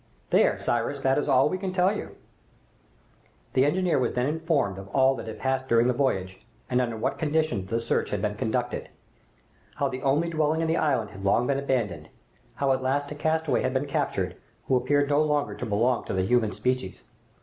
There, Cyrus, that is all we can tell you!" The engineer was then informed of all that had passed during the voyage, and under what conditions the search had been conducted; how the only dwelling in the island had long been abandoned; how at last a castaway had been captured, who appeared no longer to belong to the human species.